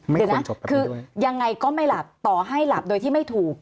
เดี๋ยวนะคือยังไงก็ไม่หลับต่อให้หลับโดยที่ไม่ถูก